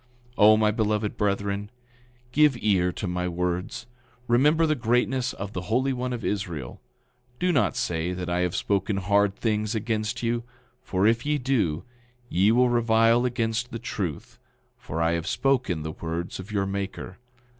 9:40 O, my beloved brethren, give ear to my words. Remember the greatness of the Holy One of Israel. Do not say that I have spoken hard things against you; for if ye do, ye will revile against the truth; for I have spoken the words of your Maker.